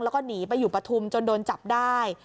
แล้วก็หนีไปอยู่ปฐุมจนโดนจับได้